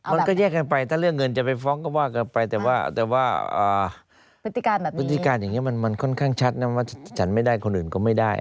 มันก็แยกกันไปถ้าเรื่องเงินจะไปฟ้องก็ว่ากันไปแต่ว่าพฤติการแบบนี้พฤติการอย่างนี้มันค่อนข้างชัดนะว่าฉันไม่ได้คนอื่นก็ไม่ได้